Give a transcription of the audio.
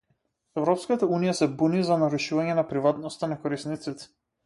Европската Унија се буни за нарушување на приватноста на корисниците.